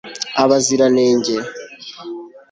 abaziranenge